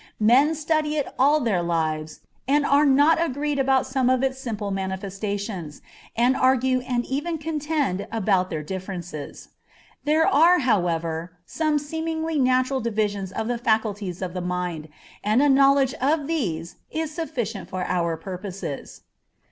Men study it all their lives and are not agreed about some of its simple manifestations, and argue and even contend about their differences. There are, however, some seemingly natural divisions of the faculties of the mind, and a knowledge of these is sufficient for our purposes.